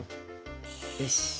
よし！